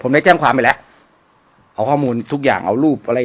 ได้แจ้งความไปแล้วเอาข้อมูลทุกอย่างเอารูปอะไร